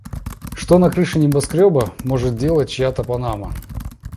Что на крыше небоскрёба может делать чья-то панама?